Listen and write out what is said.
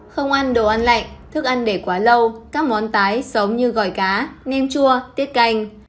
không ăn đồ ăn lạnh thức ăn để quá lâu các món tái sống như gỏi cá nem chua tiết canh